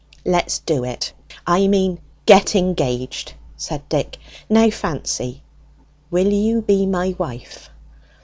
"Let's do it! I mean get engaged," said Dick. "Now, Fancy, will you be my wife?"